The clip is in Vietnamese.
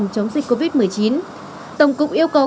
covid một mươi chín tổng cục yêu cầu